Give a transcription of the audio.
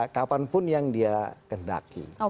kapanpun yang dia kendaki